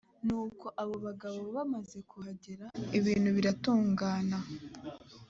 nuko abo bagabo bamaze kuhagera, ibintu biratungana.